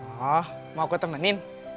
oh mau aku temenin